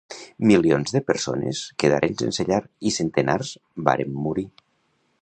Milions de persones quedaren sense llar i centenars vàrem morir.